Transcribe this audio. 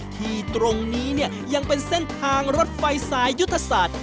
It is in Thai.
ที่ตรงนี้เนี่ยยังเป็นเส้นทางรถไฟสายยุทธศาสตร์